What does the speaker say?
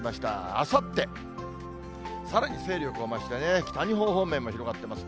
あさって、さらに勢力を増してね、北日本方面へも広がってます。